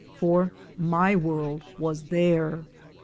For my world was there.